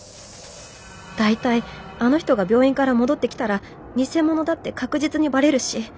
大体あの人が病院から戻ってきたら偽者だって確実にバレるし。